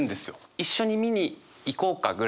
「一緒に見に行こうか？」ぐらいの感じで。